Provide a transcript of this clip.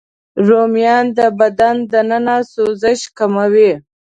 رومیان د بدن دننه سوزش کموي